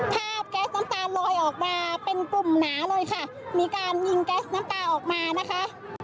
แก๊สน้ำตาลลอยออกมาเป็นกลุ่มหนาเลยค่ะมีการยิงแก๊สน้ำตาออกมานะคะ